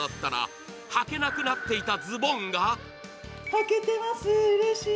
はけてます、うれしい。